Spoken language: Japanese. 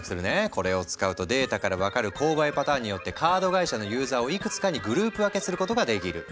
これを使うとデータから分かる購買パターンによってカード会社のユーザーをいくつかにグループ分けすることができる。